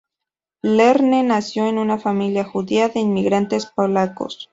Lerner nació en una familia judía de inmigrantes polacos.